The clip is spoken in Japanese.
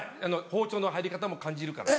包丁の入り方も感じるから。